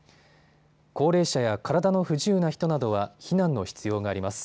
高齢者や体の不自由な人などは避難の必要があります。